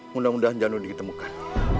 mudah mudahan janu ditemukan